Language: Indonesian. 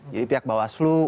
jadi pihak bawah seluruh